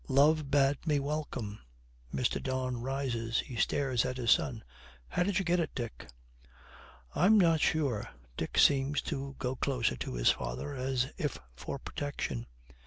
'Love Bade Me Welcome.' Mr. Don rises; he stares at his son. 'How did you get it, Dick?' 'I'm not sure.' Dick seems to go closer to his father, as if for protection.